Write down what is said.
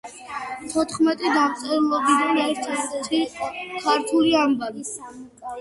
თოთხმეტი დამწერლობიდან ერთერთი ქართული ანბანი?